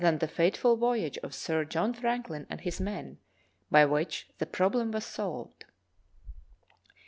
the fateful voj'age of Sir John Franklin and his men, by which the problem was solved.